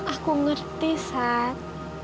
aku ngerti sat